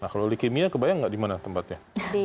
kalau leukemia kebayang nggak di mana tempatnya